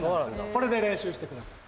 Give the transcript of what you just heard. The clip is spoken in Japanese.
これで練習してください。